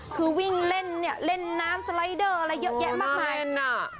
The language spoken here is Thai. คือวิ่งเล่นเนี่ยเล่นน้ำสไลเดอร์อะไรเยอะแยะมากมาย